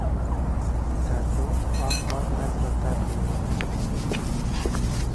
Qerto, Axpar Mezra Qerto ye